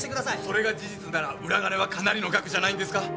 それが事実なら裏金はかなりの額じゃないんですか？